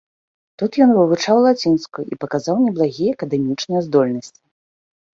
Тут ён вывучаў лацінскую і паказаў неблагія акадэмічныя здольнасці.